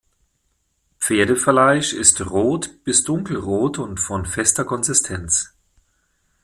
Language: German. Pferdefleisch ist rot bis dunkelrot und von fester Konsistenz.